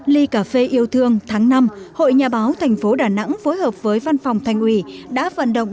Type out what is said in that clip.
ly cà phê yêu thương tháng năm hội nhà báo thành phố đà nẵng phối hợp với văn phòng thành ủy đã vận động